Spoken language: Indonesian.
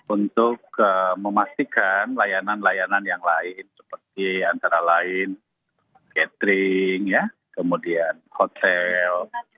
untuk memastikan layanan layanan yang lain seperti antara lain catering kemudian hotel